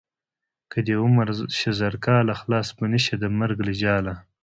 که دې عمر شي زر کاله خلاص به نشې د مرګ له جاله.